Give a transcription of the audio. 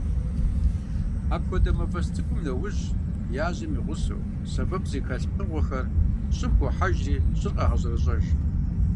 Апхуэдэ мафӏэс цӏыкӏухэм нэужь, яжьэм и гъусэу, сэбэп зыхэлъ пкъыгъуэхэр щӏым хохьэжри, щӏыр къагъэщӏэрэщӏэж.